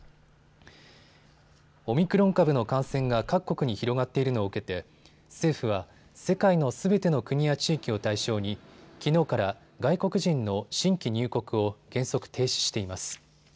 オミクロン株の感染が各国に広がっているのを受けて政府は世界のすべての国や地域を対象にきのうから外国人の新規入国を原則、停止しています。